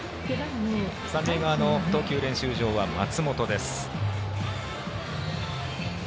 三塁側の投球練習場は松本です。